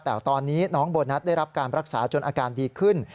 แต่ตอนนี้น้องโบนัสได้รับการรักษาจนอาการดีขึ้น